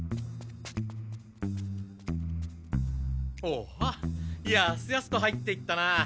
おおやすやすと入っていったな。